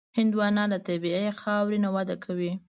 هندوانه له طبیعي خاورې نه وده کوي.